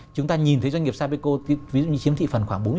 chúng ta nhìn thấy doanh nghiệp sapeco ví dụ như chiếm thị phần khoảng bốn